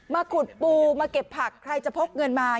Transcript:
ขุดปูมาเก็บผักใครจะพกเงินมา